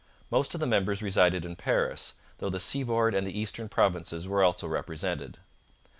Most of the members resided in Paris, though the seaboard and the eastern provinces were also represented.